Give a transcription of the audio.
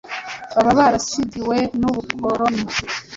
baba barasigiwe n’ubukoroni.